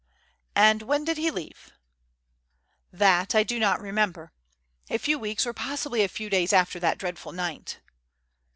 "And when did he leave?" "That I do not remember. A few weeks or possibly a few days after that dreadful night."